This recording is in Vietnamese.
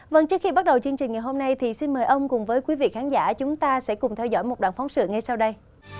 vâng trước khi bắt đầu chương trình ngày hôm nay thì xin mời ông cùng với quý vị khán giả chúng ta sẽ cùng theo dõi một đoạn phóng sự ngay sau đây